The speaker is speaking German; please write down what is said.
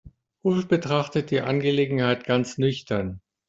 Ulf betrachtet die Angelegenheit ganz nüchtern.